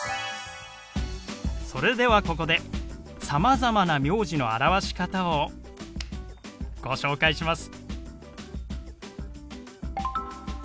それではここでさまざまな名字の表し方をご紹介します。